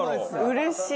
うれしい！